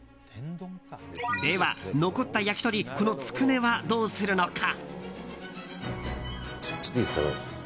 では、残った焼き鳥このつくねは、どうするのか。